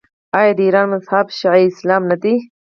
آیا د ایران مذهب شیعه اسلام نه دی؟